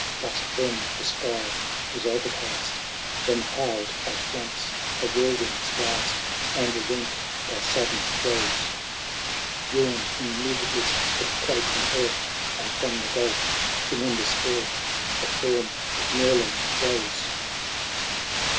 But then the sky was overcast. Then howPd at once a whirlwind^s blast. And, rent by sudden throes, YawnM in mid lists the quaking earth. And from the gulf, — tremendous birth !.— The form of Merlin rose.